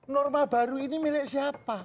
norma baru ini milik siapa